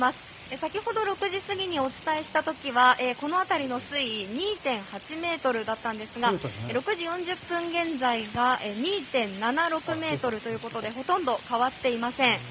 先ほど６時過ぎにお伝えした時はこの辺りの水位は２．８ｍだったんですが６時４０分現在が２．７６ｍということでほとんど変わっていません。